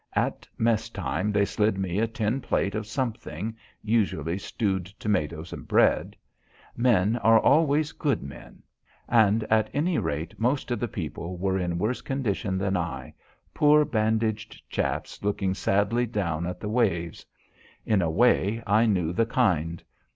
At mess time, they slid me a tin plate of something, usually stewed tomatoes and bread. Men are always good men. And, at any rate, most of the people were in worse condition than I poor bandaged chaps looking sadly down at the waves. In a way, I knew the kind.